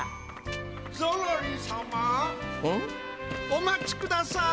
お待ちください。